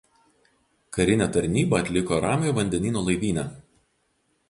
Karinę tarnybą atliko Ramiojo vandenyno laivyne.